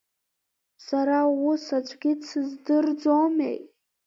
Сара ус аӡәгьы дсыздырӡомеи?